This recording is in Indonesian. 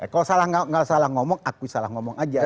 kalau salah ngomong aku salah ngomong aja